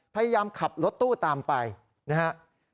พยายามขับรถตู้ตามไปนะครับ